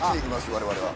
我々は。